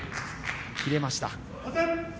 切れました。